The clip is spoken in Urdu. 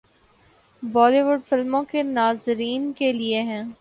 بالی ووڈ فلموں کے ناظرین کے لئے ہیں